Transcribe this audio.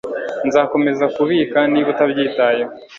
nzakomeza kubika niba utabyitayeho